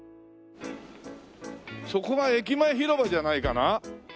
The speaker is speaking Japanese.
そこが駅前広場じゃないかな。